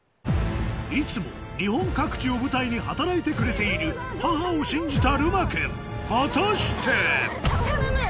いつも日本各地を舞台に働いてくれている母を信じたるま君果たして⁉頼む！